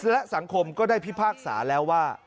และสังคมก็ได้พิพากษาแล้วว่า